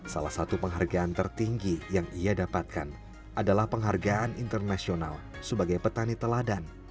salah satu penghargaan tertinggi yang ia dapatkan adalah penghargaan internasional sebagai petani teladan